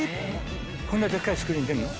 こんなでっかいスクリーンに出んの？